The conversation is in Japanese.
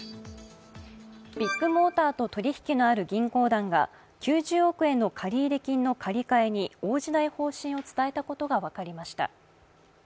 ビッグモーターと取引のある銀行団が９０億円の借入金の借り換えに応じない方針を伝えたことが分かりました。